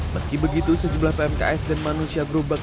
meski begitu sejumlah pnks dan manusia berobak